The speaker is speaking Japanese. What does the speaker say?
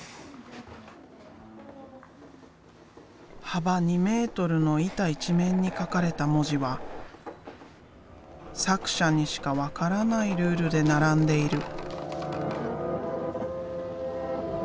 幅２メートルの板一面に描かれた文字は作者にしか分からないルールで並んでいる。